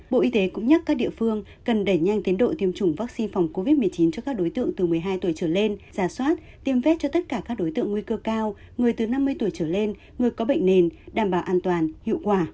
bộ y tế cũng nhắc các địa phương cần đẩy nhanh tiến độ tiêm chủng vaccine phòng covid một mươi chín cho các đối tượng từ một mươi hai tuổi trở lên giả soát tiêm vét cho tất cả các đối tượng nguy cơ cao người từ năm mươi tuổi trở lên người có bệnh nền đảm bảo an toàn hiệu quả